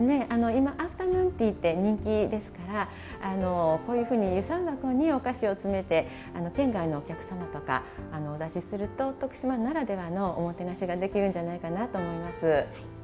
今アフタヌーンティーって人気ですからこういうふうに遊山箱にお菓子を詰めて県外のお客様とかお出しすると徳島ならではのおもてなしができるんじゃないかなと思います。